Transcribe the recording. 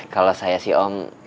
kalau saya sih om